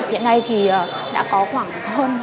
hiện nay thì đã có khoảng hơn một học sinh